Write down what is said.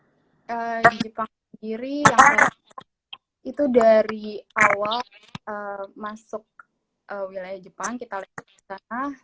di jepang sendiri itu dari awal masuk wilayah jepang kita lihat di sana